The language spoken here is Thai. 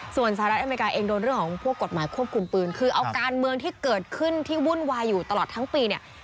ส่วนสหรัฐอเมริกาเองโดนเรื่องของพวกกฎหมายควบคุมปืนคือเอาการเมืองที่เกิดขึ้นที่วุ่นวายอยู่ตลอดทั้งปีเนี่ย